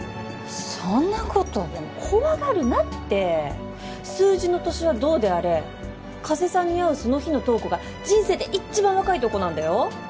そんなこと怖がるなって数字の年はどうであれ加瀬さんに会うその日の瞳子が人生で一番若い瞳子なんだよ